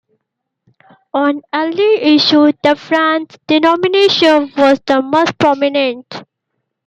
On early issues, the franc denomination was the most prominent.